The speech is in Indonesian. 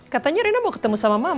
katanya rina mau ketemu sama mama